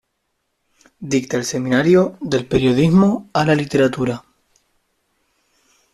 Dicta el seminario "Del periodismo a la literatura".